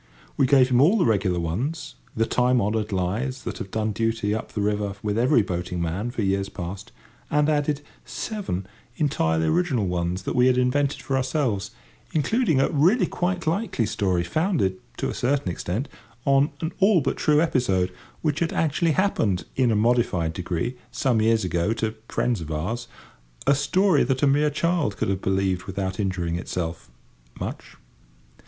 We gave him all the regular ones—the time honoured lies that have done duty up the river with every boating man for years past—and added seven entirely original ones that we had invented for ourselves, including a really quite likely story, founded, to a certain extent, on an all but true episode, which had actually happened in a modified degree some years ago to friends of ours—a story that a mere child could have believed without injuring itself, much.